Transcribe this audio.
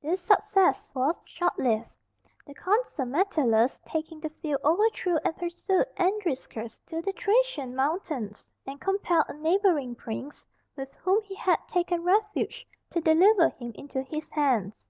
This success was short lived. The Consul Metellus taking the field overthrew and pursued Andriscus to the Thracian mountains, and compelled a neighbouring prince, with whom he had taken refuge, to deliver him into his hands.